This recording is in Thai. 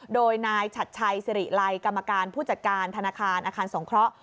โดยนายชัดชัยสิริไลกรรมการผู้จัดการธนาคารอาคารสงเคราะห